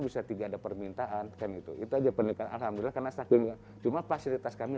bisa tiga ada permintaan kan itu itu aja pendek alhamdulillah karena stakinya cuma fasilitas kami